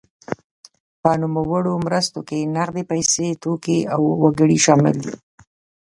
په نوموړو مرستو کې نغدې پیسې، توکي او وګړي شامل دي.